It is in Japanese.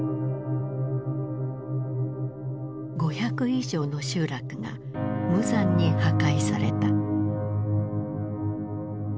５００以上の集落が無残に破壊された。